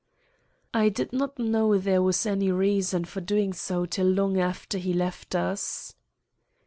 "I did not know there was any reason for doing so till long after he left us."